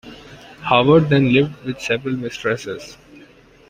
Howard then lived with several mistresses.